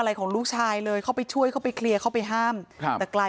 อะไรของลูกชายเลยเข้าไปช่วยเข้าไปเคลียร์เข้าไปห้ามครับแต่กลาย